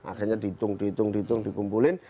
akhirnya dihitung dihitung dihitung dikumpulin